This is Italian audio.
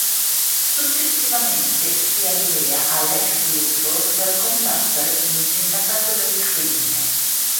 Successivamente, si allea a Lex Luthor per combattere il Sindacato del Crimine.